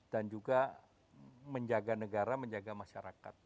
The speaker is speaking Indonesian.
dan juga menjaga negara menjaga masyarakat